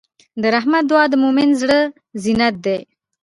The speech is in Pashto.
د رحمت دعا د مؤمن زړۀ زینت دی.